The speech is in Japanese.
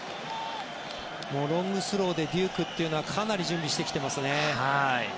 ロングスローでデュークというのはかなり準備してきてますね。